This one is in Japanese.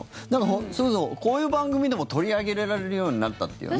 それこそ、こういう番組でも取り上げられるようになったっていうね。